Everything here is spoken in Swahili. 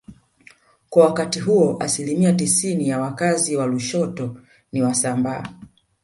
Kwa wakati huo asilimia tisini ya wakazi wa Lushoto ni Wasambaa